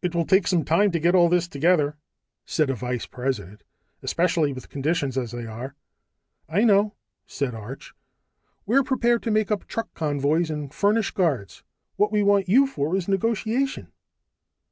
"It will take some time to get all this together," said a vice president. "Especially with conditions as they are." "I know," said Arch. "We're prepared to make up truck convoys and furnish guards; what we want you for is negotiation."